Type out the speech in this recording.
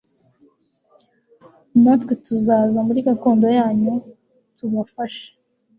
natwe tuzaza muri gakondo yanyu+ tubafashe